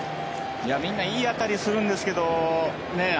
みんないい当たりするんですけどね。